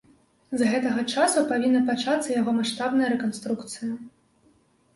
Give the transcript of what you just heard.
З гэтага часу павінна пачацца яго маштабная рэканструкцыя.